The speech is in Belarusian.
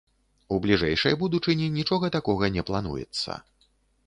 У бліжэйшай будучыні нічога такога не плануецца.